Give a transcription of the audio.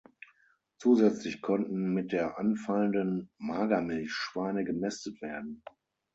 Zusätzlich konnten mit der anfallenden Magermilch Schweine gemästet werden.